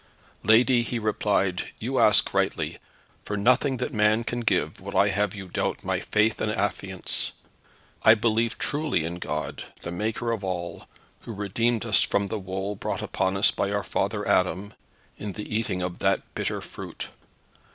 "Lady," he replied, "you ask rightly. For nothing that man can give would I have you doubt my faith and affiance. I believe truly in God, the Maker of all, who redeemed us from the woe brought on us by our father Adam, in the eating of that bitter fruit.